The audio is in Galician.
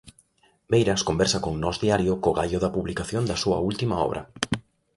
Beiras conversa con Nós Diario co gaio da publicación da súa última obra.